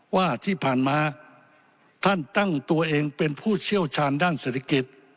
ว่าที่ผ่านมาท่านตั้งตัวเองเป็นผู้เชี่ยวชาญด้านเศรษฐกิจ